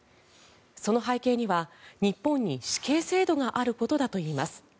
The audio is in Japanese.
その背景には日本に死刑制度があることだといいます。